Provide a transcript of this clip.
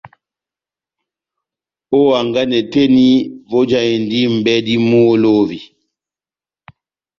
Ó hanganɛ tɛ́h eni vojahindi mʼbladi muholovi.